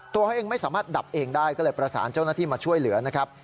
ตัวเองไม่สามารถดับเองได้ก็เลยประสานเจ้าหน้าที่มาช่วยเหลือนะครับ